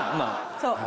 そう。